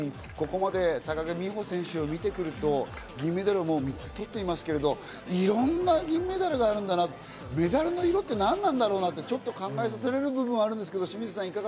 ここまで高木美帆選手を見ていると、銀メダルを３つ取っていますけど、いろんな銀メダルがあるんだなって、メダルの色って何なんだろうなって、ちょっと考えさせられる部分があるんですけど、清水さん